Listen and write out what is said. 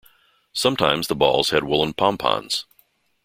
Sometimes the balls had woolen pompons.